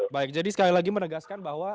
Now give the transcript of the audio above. baik jadi sekali lagi menegaskan bahwa